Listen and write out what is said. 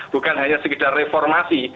bukan hanya sekedar reformasi